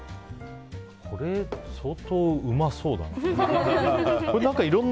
相当うまそうだな。